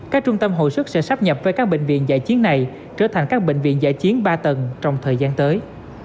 các trung tâm hội sức sẽ sắp nhập với các bệnh viện giải chiến này trở thành các bệnh viện giải chiến ba tầng trong thời gian tới